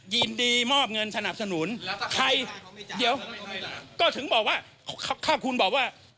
ยินดีมอบเงินสนับสนุนใครเดี๋ยวก็ถึงบอกว่าถ้าคุณบอกว่า